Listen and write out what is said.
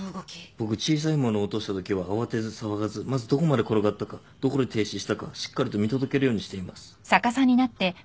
僕小さい物を落としたときは慌てず騒がずまずどこまで転がったかどこで停止したかしっかりと見届けるようにしています。